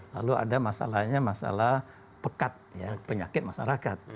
lalu ada masalahnya masalah pekat ya penyakit masyarakat